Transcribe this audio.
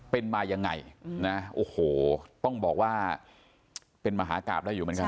เป็นมายังไงนะโอ้โหต้องบอกว่าเป็นมหากราบได้อยู่เหมือนกัน